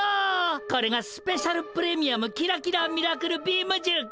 これがスペシャル・プレミアムキラキラ・ミラクル・ビームじゅうか。